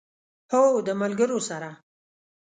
هو، د ملګرو سره